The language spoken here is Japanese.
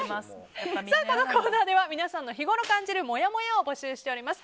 このコーナーでは皆さんの日ごろ感じるもやもやを募集しております。